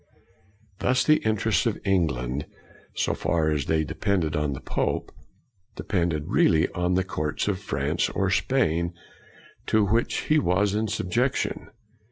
Thus the interests of England, so far as they depended on the pope, depended really on the courts of France or Spain to which he was in subjection.